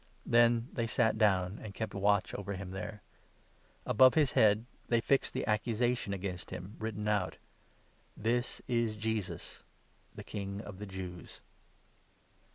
Then they sat down, and kept watch over 36 him there. Above his head they fixed the accusation against 37 him written out — 'THIS IS JESUS THE KING OF THE JEWS.'